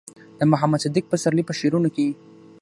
د محمد صديق پسرلي په شعرونو کې